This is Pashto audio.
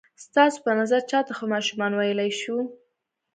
ستاسو په نظر چاته ښه ماشومان ویلای شو؟